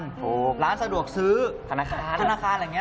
ถูกร้านสะดวกซื้อธนาคารธนาคารอะไรอย่างนี้